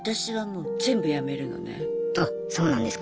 あそうなんですか？